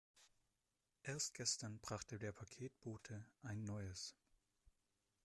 Erst gestern brachte der Paketbote ein neues.